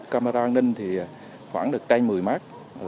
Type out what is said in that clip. camera an ninh thì khoảng được tranh một mươi mát